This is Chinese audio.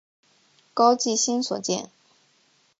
高季兴所建。